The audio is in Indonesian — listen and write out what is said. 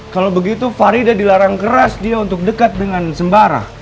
kalau begitu farida dilarang keras dia untuk dekat dengan sembara